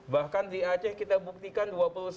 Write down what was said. bahkan di aceh kita buktikan dua puluh satu